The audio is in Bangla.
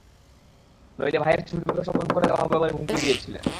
নইলে ভাইয়ের ঝুট ব্যবসা বন্ধ করে দেওয়া হবে বলে হুমকি দিয়েছিলেন।